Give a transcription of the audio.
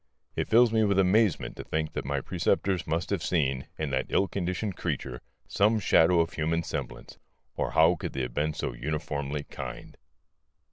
It fills me with amazement to think that my preceptors must have seen, in that ill conditioned creature, some shadow of human semblance, or how could they have been so uniformly kind?